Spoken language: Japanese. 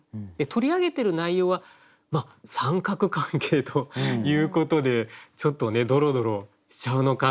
取り上げてる内容は三角関係ということでちょっとドロドロしちゃうのかな？なんて思うんですけど。